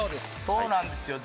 そうなんですよ。